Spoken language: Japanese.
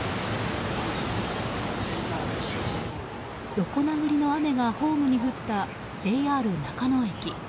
横殴りの雨がホームに降ったＪＲ中野駅。